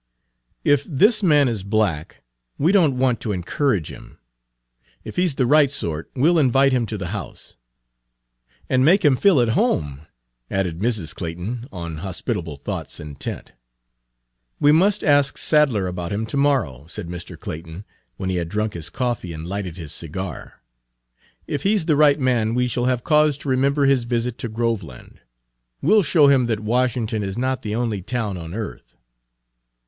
"If this man is black, we don't want to encourage him. If he 's the right sort, we'll invite him to the house." "And make him feel at home," added Mrs. Clayton, on hospitable thoughts intent. "We must ask Sadler about him to morrow," said Mr. Clayton, when he had drunk his coffee and lighted his cigar. "If he 's the right man he shall have cause to remember his visit to Groveland. We'll show him that Washington is not the only town on earth."